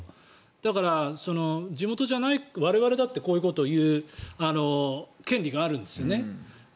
だから、地元じゃない我々だってこういうことを言う権利があるんですよね。